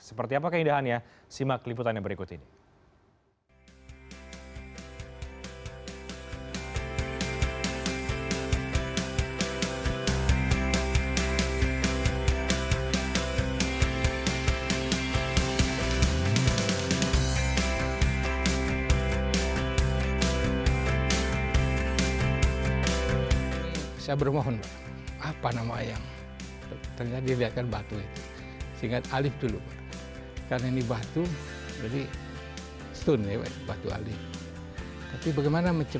seperti apa keindahannya simak liputannya berikut ini